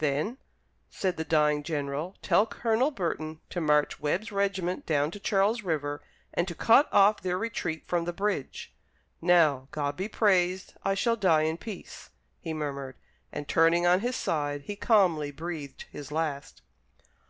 "Then," said the dying general, "tell Colonel Burton to march Webb's regiment down to Charles River, to cut off their retreat from the bridge. Now, God be praised, I shall die in peace," he murmured; and turning on his side he calmly breathed his last.